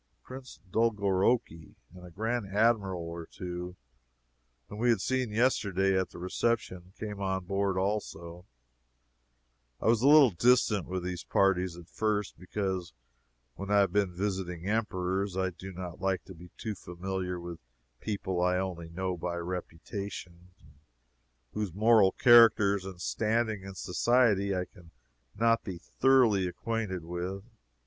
Prince Dolgorouki and a Grand Admiral or two, whom we had seen yesterday at the reception, came on board also. I was a little distant with these parties, at first, because when I have been visiting Emperors I do not like to be too familiar with people I only know by reputation, and whose moral characters and standing in society I can not be thoroughly acquainted with.